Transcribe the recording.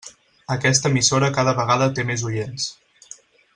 Aquesta emissora cada vegada té més oients.